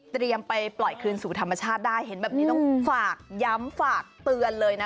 ไปปล่อยคืนสู่ธรรมชาติได้เห็นแบบนี้ต้องฝากย้ำฝากเตือนเลยนะ